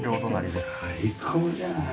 最高じゃない。